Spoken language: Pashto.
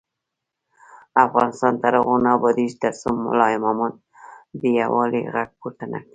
افغانستان تر هغو نه ابادیږي، ترڅو ملا امامان د یووالي غږ پورته نکړي.